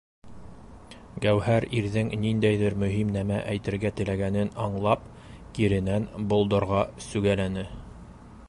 Гәүһәр, ирҙең ниндәйҙер мөһим нәмә әйтергә теләгәнен аңлап, киренән болдорға сүгәләне.